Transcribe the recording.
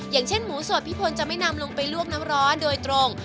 อย่างเช่นหมูสดพี่พลจะไม่นำลงไปลวกน้ำร้อนโดยตรง